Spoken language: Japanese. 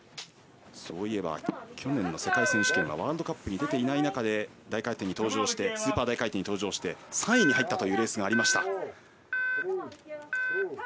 そういえば去年の世界選手権はワールドカップに出ていない中でスーパー大回転に登場して３位に入ったというレースがありました。